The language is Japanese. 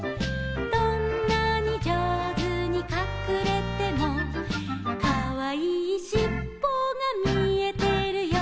「どんなに上手にかくれても」「かわいいしっぽが見えてるよ」